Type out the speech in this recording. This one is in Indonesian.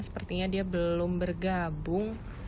sepertinya dia belum bergabung